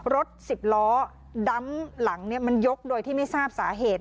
รถ๑๐ล้อดำหลังมันยกโดยที่ไม่ทราบสาเหตุ